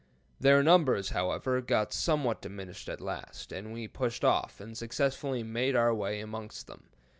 Their numbers, however, got somewhat diminished at last, and we pushed off, and successfully made our way amongst them.